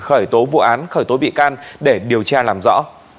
khởi tố vụ án khởi tố bị can để điều tra làm rõ